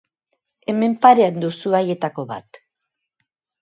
Hemen parean duzu haietako bat.